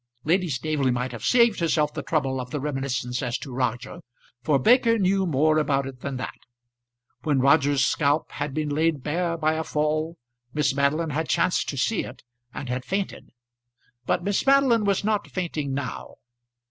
Lady Staveley might have saved herself the trouble of the reminiscence as to Roger, for Baker knew more about it than that. When Roger's scalp had been laid bare by a fall, Miss Madeline had chanced to see it, and had fainted; but Miss Madeline was not fainting now.